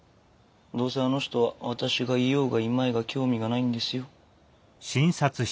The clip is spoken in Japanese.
どうせあの人は私がいようがいまいが興味がないんですよ。